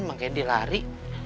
makanya dia lari